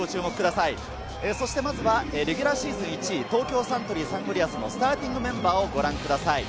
まずはレギュラーシーズン１位、東京サントリーサンゴリアスのスターティングメンバーをご覧ください。